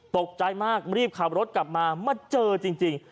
ตกใจมากรีบขับรถกลับมามาเจอจริง